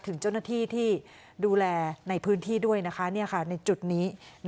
ถึงเจ้าหน้าที่ที่ดูแลในพื้นที่ด้วยนะคะในจุดนี้